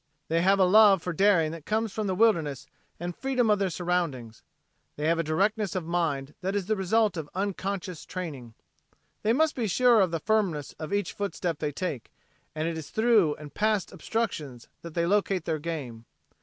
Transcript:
They have a love for daring that comes from the wildness and freedom of their surroundings. They have a directness of mind that is the result of unconscious training. They must be sure of the firmness of each footstep they take, and it is through and past obstructions that they locate their game.